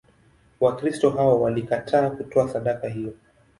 Wakristo hao walikataa kutoa sadaka hiyo.